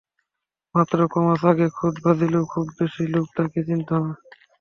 মাত্র কমাস আগে খোদ ব্রাজিলেও খুব বেশি লোক তাঁকে চিনত না।